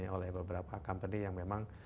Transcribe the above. oleh beberapa company yang memang